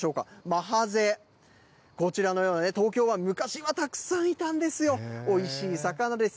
マハゼ、こちらのようなね、東京湾、昔はたくさんいたんですよ、おいしい魚です。